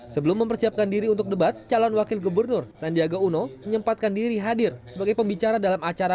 sebelum mempersiapkan diri untuk debat calon wakil gubernur sandiaga uno menyempatkan diri hadir sebagai pembicara dalam acara